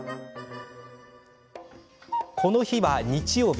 この日は日曜日。